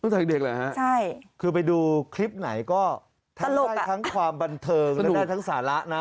ตั้งแต่เด็กเหรอครับคือไปดูคลิปไหนก็ทั้งความบันเทิงและได้ทั้งสาระนะ